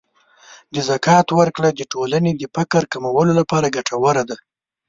د زکات ورکړه د ټولنې د فقر کمولو لپاره ګټوره ده.